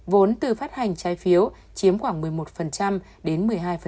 vốn từ phát hành trái phiếu chiếm khoảng một mươi một đến một mươi hai